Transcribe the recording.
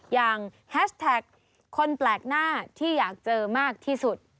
แฮชแท็กคนแปลกหน้าที่อยากเจอมากที่สุด